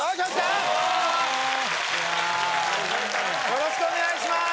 よろしくお願いします